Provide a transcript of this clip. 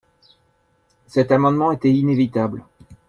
Cet amendement était inévitable.